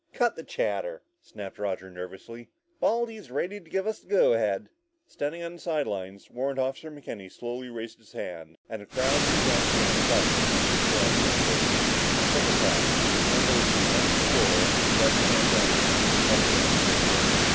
"Cut the chatter," snapped Roger nervously. "Baldy's ready to give us the go ahead!" Standing on the side lines, Warrant Officer McKenny slowly raised his hand, and the crowd in the grandstand hushed in eager anticipation. A second passed and then there was a tremendous roar as he brought his hand down and blew heavily on the whistle.